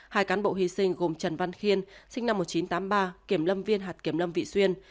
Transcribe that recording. hai cán bộ hy sinh gồm trần văn khiên sinh năm một nghìn chín trăm tám mươi ba kiểm lâm viên hạt kiểm lâm vị xuyên